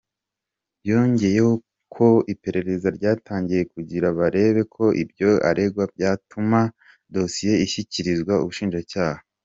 Yongeyeho ko iperereza ryatangiye kugira barebe ko ibyo aregwa byatuma dosiye ishyikirijwa Ubushinjacyaha.